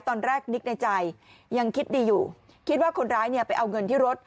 ตอนแรกนึกในใจยังคิดดีอยู่คิดว่าคนร้ายเนี่ยไปเอาเงินที่รถ